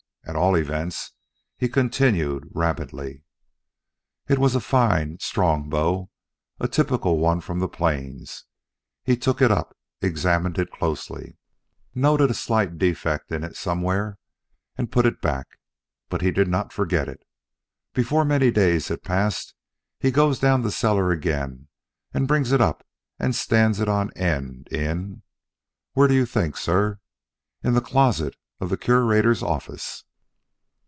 At all events he continued rapidly: "It was a fine, strong bow, a typical one from the plains. He took it up examined it closely noted a slight defect in it somewhere and put it back. But he did not forget it. Before many days had passed, he goes down cellar again and brings it up and stands it on end in where do you think, sir? in the closet of the Curator's office!"